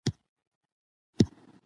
رابعه اجازه ترلاسه کړې ده.